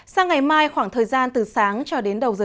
sang ngày mai khoảng thời gian từ sáng cho đến đầu giờ